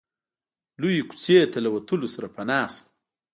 لويې کوڅې ته له وتلو سره پناه شو.